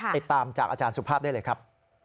ติดตามจากอาจารย์สุภาพได้เลยครับ